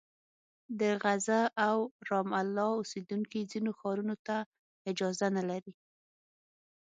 د غزه او رام الله اوسېدونکي ځینو ښارونو ته اجازه نه لري.